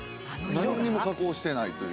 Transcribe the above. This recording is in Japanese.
何にも加工してないという。